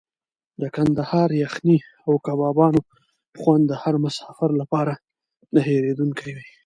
د کندهاري یخني او کبابونو خوند د هر مسافر لپاره نه هېرېدونکی وي.